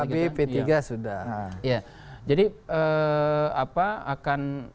pak anisandi pkb p tiga sudah